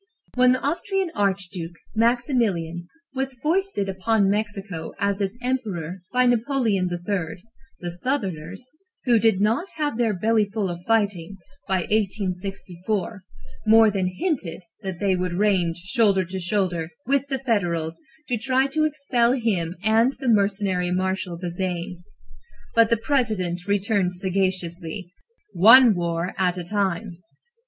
When the Austrian archduke, Maximilian, was foisted upon Mexico as its emperor by Napoleon III., the Southerners, who did not have their "bellyful of fighting" by 1864, more than hinted that they would range shoulder to shoulder with the Federals to try to expel him and the mercenary Marshal Bazaine. But the President returned sagaciously: "One war at a time!"